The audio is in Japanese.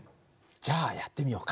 じゃあやってみようか。